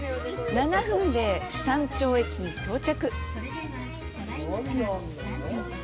７分で山頂駅に到着。